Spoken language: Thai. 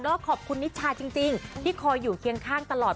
แล้วก็ขอบคุณนิชาจริงที่คอยอยู่เคียงข้างตลอด